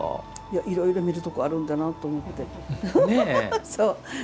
いろいろ見るとあるんだなと思って。